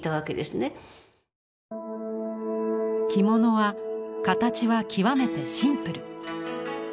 着物は形は極めてシンプル。